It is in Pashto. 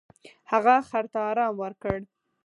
هغه خر ته ارام ورکړ.